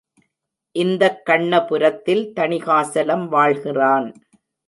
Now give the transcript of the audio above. இந்தக் கண்ணபுரத்தில் தணிகாசலம் வாழ்கிறான்.